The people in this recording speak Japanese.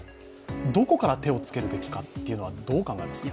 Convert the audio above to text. どこから手をつけるべきかってどう考えますか？